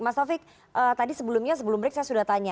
mas taufik tadi sebelumnya sebelum break saya sudah tanya